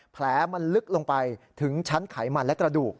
แผลมันลึกลงไปถึงชั้นไขมันและกระดูก